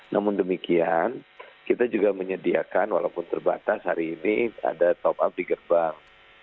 namun demikian kita juga menyediakan walaupun terbatas hari ini ada top up di gerbang